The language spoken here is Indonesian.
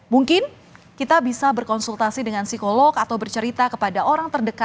mungkin kita bisa berkonsultasi dengan psikolog atau bercerita kepada orang terdekat